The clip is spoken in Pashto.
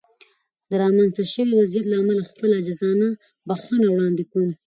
د رامنځته شوې وضعیت له امله خپله عاجزانه بښنه وړاندې کوم.